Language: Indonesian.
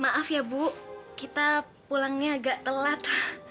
maaf ya bu kita pulangnya agak telat